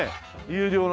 有料の所。